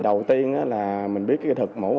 đầu tiên là mình biết cái thực mổ mồ hôi chân